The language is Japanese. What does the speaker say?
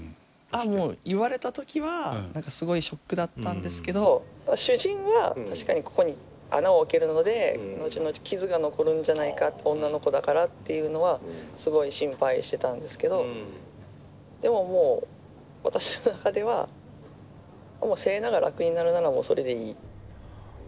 ああもう言われた時は何かすごいショックだったんですけど主人は確かにここに穴を開けるので後々傷が残るんじゃないか女の子だからっていうのはすごい心配してたんですけどでももう私の中ではセイナが楽になるならそれでいい。